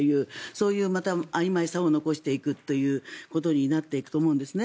そういうあいまいさを残していくということになっていくと思うんですね。